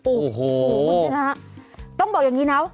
โอ้โหนะครับต้องบอกอย่างนี้นะครับ